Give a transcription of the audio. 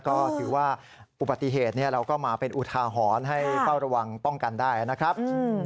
ก็ถือว่าอุบัติเหตุเราก็มาเป็นอุทาหรณ์ให้เฝ้าระวังป้องกันได้นะครับ